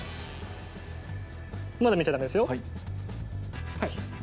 まだ見ちゃ駄目ですよ。